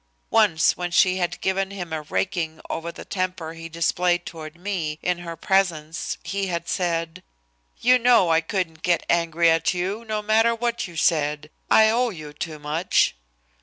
Once when she had given him a raking over for the temper he displayed toward me in her presence, he had said: "You know I couldn't get angry at you, no matter what you said; I owe you too much."